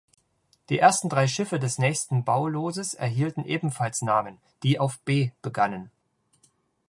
Die ersten drei Schiffe des nächsten Bauloses erhielten ebenfalls Namen, die auf „B“ begannen.